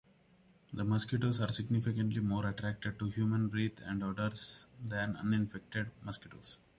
The mosquitoes are significantly more attracted to human breath and odours than uninfected mosquitoes.